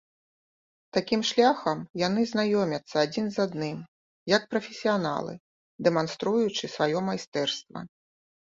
Такім шляхам яны знаёмяцца адзін з адным як прафесіяналы, дэманструючы сваё майстэрства.